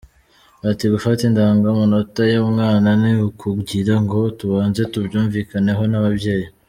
Ati “Gufata indangamanota y’umwana ni ukugira ngo tubanze tubyumvikaneho n’ababyeyi.